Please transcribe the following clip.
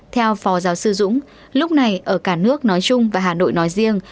theo phó giáo sư dũng lúc này ở cả nước nói chung và hà nội nói riêng